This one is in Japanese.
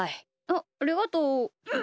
あっありがとう。